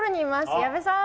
矢部さん。